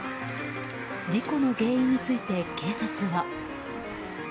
事故の原因について、警察は。